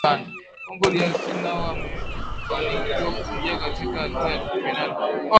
congo drc nao wamefanikiwa kuingia katika hatua ya robo fainali